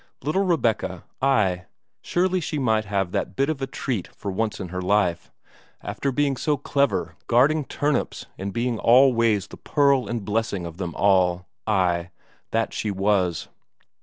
Little Rebecca, ay, surely she might have that bit of a treat for once in her life, after being so clever guarding turnips and being all ways the pearl and blessing of them all, ay, that she was.